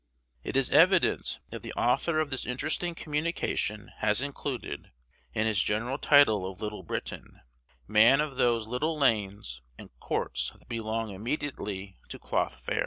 It is evident that the author of this interesting communication has included, in his general title of Little Britain, man of those little lanes and courts that belong immediately to Cloth Fair.